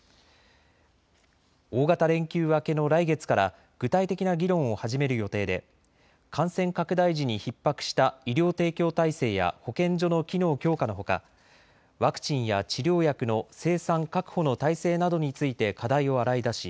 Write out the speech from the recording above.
大型連休明けの来月から具体的な議論を始める予定で感染拡大時にひっ迫した医療提供体制や保健所の機能強化のほかワクチンや治療薬の生産・確保の体制などについて課題を洗い出し